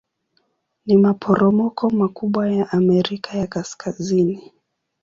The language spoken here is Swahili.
Ni maporomoko makubwa ya Amerika ya Kaskazini.